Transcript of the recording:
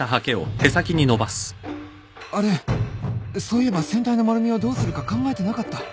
あれそういえば船体の丸みをどうするか考えてなかった